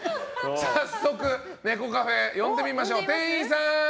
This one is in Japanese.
早速ネコカフェ呼んでみましょう。